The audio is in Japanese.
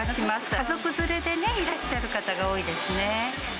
家族連れでね、いらっしゃる方が多いですね。